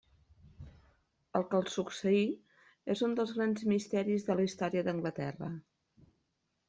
El que els succeí és un dels grans misteris de la història d'Anglaterra.